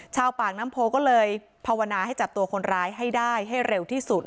ชาวปากน้ำโพก็เลยภาวนาให้จับตัวคนร้ายให้ได้ให้เร็วที่สุด